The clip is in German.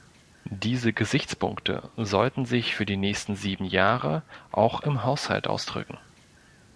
Diese Gesichtspunkte sollten sich für die nächsten sieben Jahre auch im Haushalt ausdrücken.